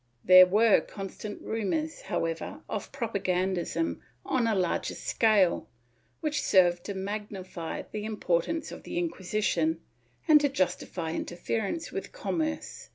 ^ There were constant rumors, however, of propagandism on a larger scale which served to magnify the importance of the Inquisition and to justify interference with commerce.